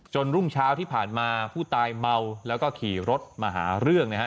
รุ่งเช้าที่ผ่านมาผู้ตายเมาแล้วก็ขี่รถมาหาเรื่องนะครับ